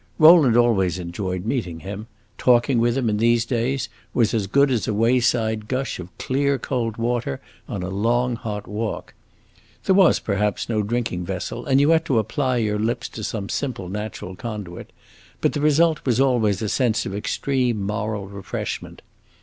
Rowland always enjoyed meeting him; talking with him, in these days, was as good as a wayside gush of clear, cold water, on a long, hot walk. There was, perhaps, no drinking vessel, and you had to apply your lips to some simple natural conduit; but the result was always a sense of extreme moral refreshment.